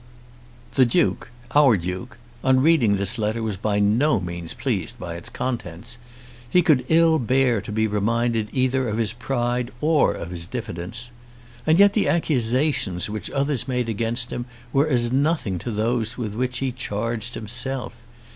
The Duke, our Duke, on reading this letter was by no means pleased by its contents. He could ill bear to be reminded either of his pride or of his diffidence. And yet the accusations which others made against him were as nothing to those with which he charged himself.